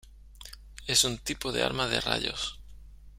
Es un tipo de arma de rayos.